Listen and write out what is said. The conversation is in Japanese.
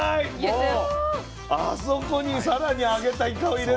もうあそこに更に揚げたイカを入れるの？